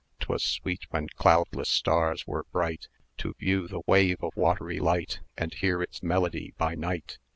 'Twas sweet, when cloudless stars were bright, To view the wave of watery light, And hear its melody by night.